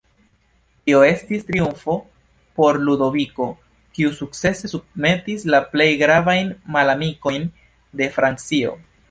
Tio estis triumfo por Ludoviko, kiu sukcese submetis la plej gravajn malamikojn de Francio.